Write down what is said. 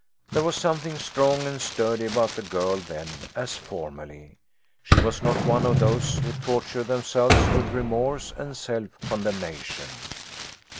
There was something strong and sturdy about the girl then, as formerly. She was not one of those who torture themselves with remorse and self condemnation.